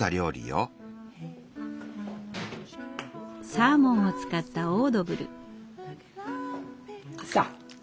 サーモンを使ったオードブル。